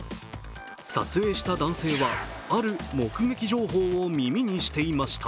撮影した男性は、ある目撃情報を耳にしていました。